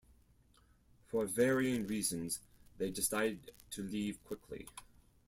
For varying reasons, they decide to leave quickly.